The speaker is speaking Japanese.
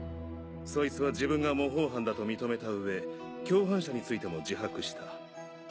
そいつは自分が模倣犯だと認めた上共犯者についても自白した。